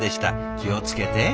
気を付けて。